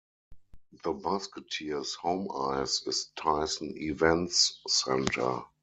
The Musketeers' home ice is Tyson Events Center.